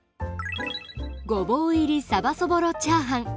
ごぼう入りさばそぼろチャーハン。